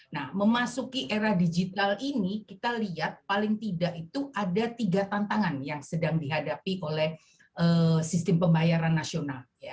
nah memasuki era digital ini kita lihat paling tidak itu ada tiga tantangan yang sedang dihadapi oleh sistem pembayaran nasional